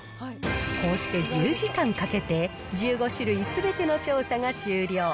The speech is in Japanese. こうして１０時間かけて、１５種類すべての調査が終了。